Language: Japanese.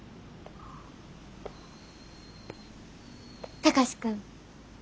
貴司君。